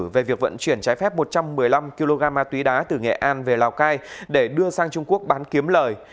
về việc vận chuyển trái phép một trăm một mươi năm kg ma túy đá từ nghệ an về lào cai để đưa sang trung quốc bán kiếm lời